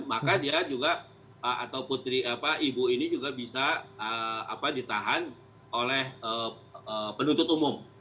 maka dia juga atau ibu ini juga bisa ditahan oleh penuntut umum